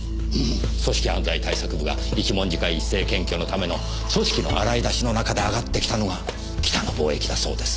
組織犯罪対策部が一文字会一斉検挙のための組織の洗い出しの中で挙がってきたのが北野貿易だそうです。